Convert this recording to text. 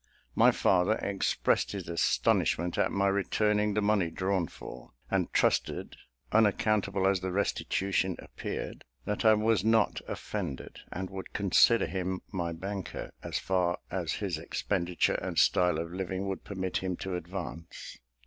My father expressed his astonishment at my returning the money drawn for; and trusted, unaccountable as the restitution appeared, that I was not offended, and would consider him my banker, as far as his expenditure and style of living would permit him to advance.